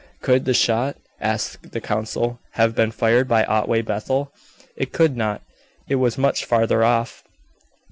"Could the shot," asked the counsel, "have been fired by Otway Bethel?" "It could not. It was much further off.